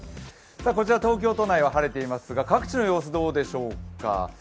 こちら東京都内は晴れていますが各地の様子どうでしょうか。